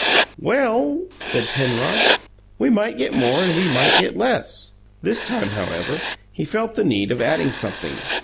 "Well," said Penrod, "we might get more and we might get less." This time, however, he felt the need of adding something.